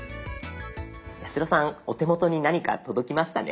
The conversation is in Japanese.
八代さんお手元に何か届きましたね？